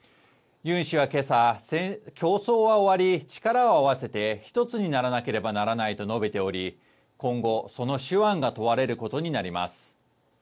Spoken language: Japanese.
ユン氏はけさ、競争は終わり、力を合わせて一つにならなければならないと述べており、今後、その手腕が問われることになります。